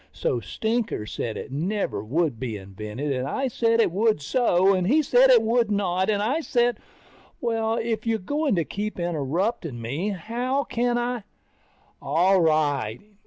So Stinker said it never would be invented, and I said it would so, and he said it would not, and I said ... Well, if you're going to keep interrupting me, how can I ... All right.